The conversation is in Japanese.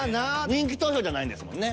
人気投票じゃないんですもんね。